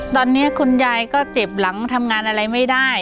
ตอนนี้คุณยายก็เจ็บหลังทำงานอะไรไม่ได้